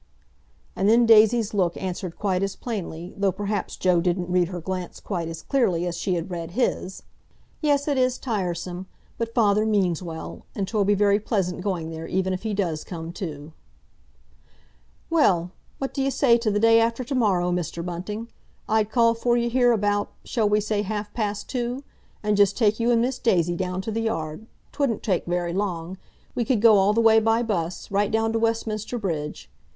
And then Daisy's look answered quite as plainly, though perhaps Joe didn't read her glance quite as clearly as she had read his: "Yes, it is tiresome. But father means well; and 'twill be very pleasant going there, even if he does come too." "Well, what d'you say to the day after to morrow, Mr. Bunting? I'd call for you here about—shall we say half past two?—and just take you and Miss Daisy down to the Yard. 'Twouldn't take very long; we could go all the way by bus, right down to Westminster Bridge."